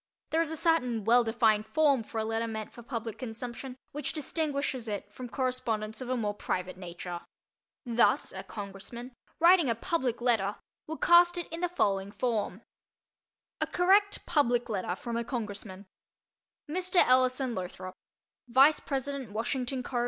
There is a certain well defined form for a letter meant for public consumption which distinguishes it from correspondence of a more private nature. Thus a Congressman, writing a "public letter," would cast it in the following form: A Correct "Public Letter" from a Congressman Mr. Ellison Lothrop, Vice Pres. Washington Co..